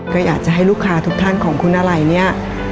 ก็อยากจะให้ลูกค้าทุกท่านของคุณาไร